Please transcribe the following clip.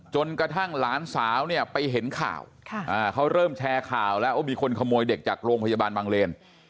จนกระทั่งหลานสาวเนี่ยไปเห็นข่าวเขาเริ่มแชร์ข่าวแล้วว่ามีคนขโมยเด็กจากโรงพยาบาลบางเลน